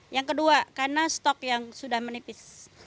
yang kedua karena stok yang sudah menipis